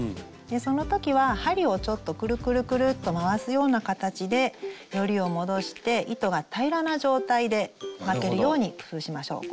その時は針をちょっとくるくるくると回すような形でヨリを戻して糸が平らな状態で巻けるように工夫しましょう。